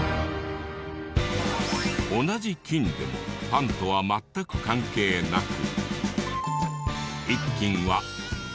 同じ「斤」でもパンとは全く関係なく。